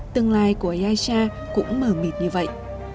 tương lai của aisha cũng mờ mịt như vậy